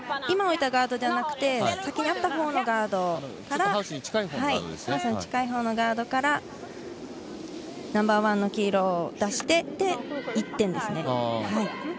今、置いたガードではなくて、先にあったほうのガード、ハウスに近いほうのガードからナンバーワンの黄色を出して１点ですね。